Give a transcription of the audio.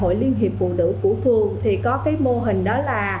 hội liên hiệp phụ nữ của phường thì có cái mô hình đó là